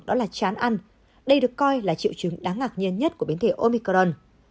đó là chán ăn đây được coi là triệu chứng đáng ngạc nhiên nhất của biến thể omicron